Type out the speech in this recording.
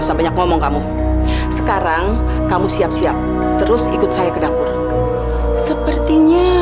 sampai jumpa di video selanjutnya